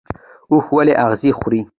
اوښ ولې اغزي خوري؟